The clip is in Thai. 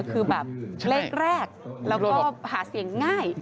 คือแบบเลขแรกแล้วก็หาเสียงง่าย